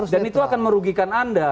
dan itu akan merugikan anda